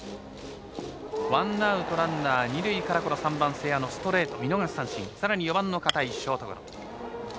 ワンアウト、ランナー二塁から３番、瀬谷のストレート見逃し三振４番の片井ショートゴロ。